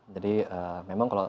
jadi memang kalau